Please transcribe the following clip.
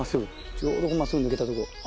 ちょうどここまっすぐ抜けたとこ。